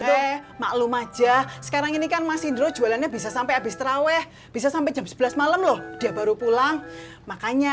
emang ada apa enggak